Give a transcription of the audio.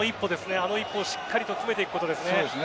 あの一歩をしっかりと詰めていくことですね。